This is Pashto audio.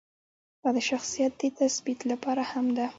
دا د شخصیت د تثبیت لپاره هم ده.